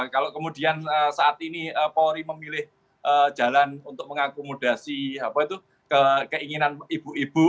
kalau kemudian saat ini polri memilih jalan untuk mengakomodasi keinginan ibu ibu